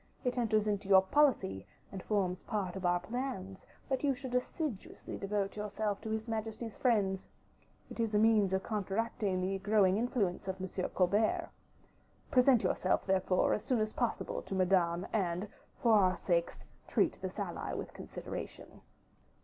It enters into your policy, and forms part of our plans, that you should assiduously devote yourself to his majesty's friends. It is a means of counteracting the growing influence of M. Colbert. Present yourself, therefore, as soon as possible to Madame, and, for our sakes, treat this ally with consideration."